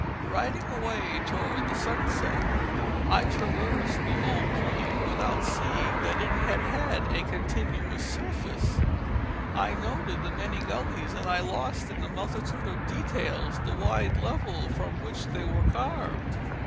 Riding away toward the sunset, I traversed the old plain without seeing that it had had a continuous surface. I noted the many gullies, and I lost in the multitude of details the wide level from which they were carved.